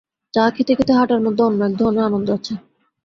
চা খেতে-খেতে হাঁটার মধ্যে অন্য এক ধরনের আনন্দ আছে।